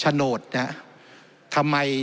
จำนวนเนื้อที่ดินทั้งหมด๑๒๒๐๐๐ไร่